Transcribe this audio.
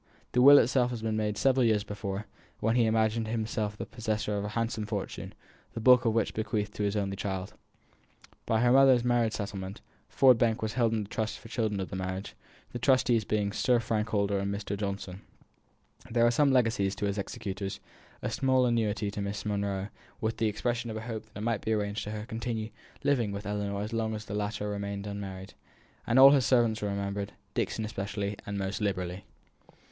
The will itself had been made several years before, when he imagined himself the possessor of a handsome fortune, the bulk of which he bequeathed to his only child. By her mother's marriage settlement, Ford Bank was held in trust for the children of the marriage; the trustees being Sir Frank Holster and Mr. Johnson. There were legacies to his executors; a small annuity to Miss Monro, with the expression of a hope that it might be arranged for her to continue living with Ellinor as long as the latter remained unmarried; all his servants were remembered, Dixon especially, and most liberally.